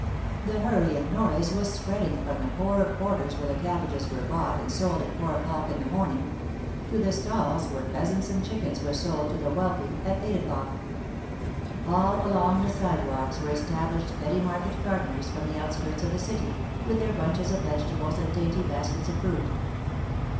The hurry and noise was spreading from the poorer quarters where the cabbages were bought and sold at four o'clock in the morning — to the stalls where pheasants and chickens were sold to the wealthy at eight o'clock. THE MARKETS OF PARIS. 45 All along the sidewalks were established petty market gardeners, from the outskirts of the city, with their bunches of vegetables and dainty baskets of fruit.